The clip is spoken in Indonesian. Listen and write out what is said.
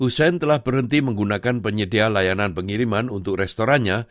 hussein telah berhenti menggunakan penyedia layanan pengiriman untuk restorannya